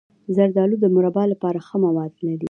زردالو د مربا لپاره ښه مواد لري.